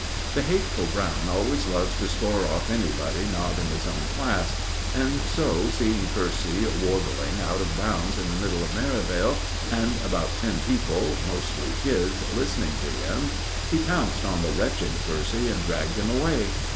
The hateful Brown always loves to score off anybody not in his own class, and so, seeing Percy warbling out of bounds in the middle of Merivale, and about ten people, mostly kids, listening to him, he pounced on the wretched Percy and dragged him away.